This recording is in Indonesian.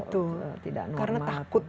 tidak normal karena takut